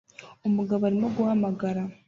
Umugabo arimo guhamagara